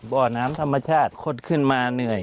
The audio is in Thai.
บ่อน้ำธรรมชาติคดขึ้นมาเหนื่อย